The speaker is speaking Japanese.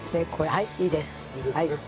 はいいいです。